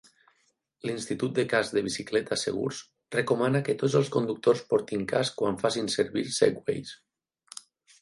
L'Institut de cascs de bicicleta segurs recomana que tots els conductors portin casc quan facin servir Segways.